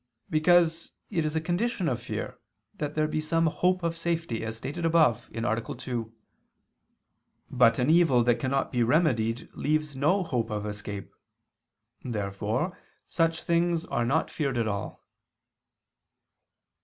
Because it is a condition of fear, that there be some hope of safety, as stated above (A. 2). But an evil that cannot be remedied leaves no hope of escape. Therefore such things are not feared at all.